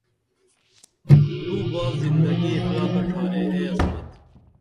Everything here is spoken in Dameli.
دو باس زندگی اخلاقہ ڇھارے اے عصمت